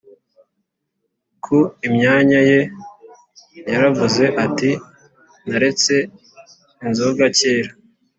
ku imyaka ye yaravuze ati naretse inzoga cyera